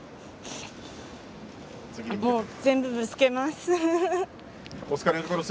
全部、ぶつけます。